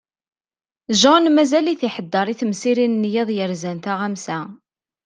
John mazal-t iḥeddeṛ i temsirin n yiḍ yerzan taɣamsa.